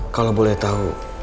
kalau boleh tahu